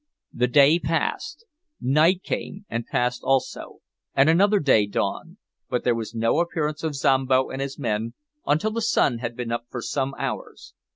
The day passed; night came and passed also, and another day dawned, but there was no appearance of Zombo and his men, until the sun had been up for some hours.